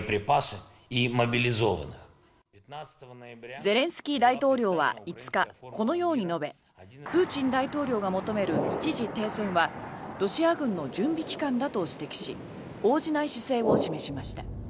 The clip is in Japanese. ゼレンスキー大統領は５日このように述べプーチン大統領が求める一時停戦はロシア軍の準備期間だと指摘し応じない姿勢を示しました。